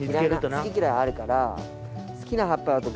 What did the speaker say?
好き嫌いあるから。